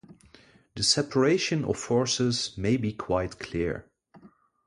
The separation of forces may be quite clear.